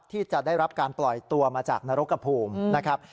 ที่จะได้รับการปล่อยตัวมาจากนรกภูมินะครับ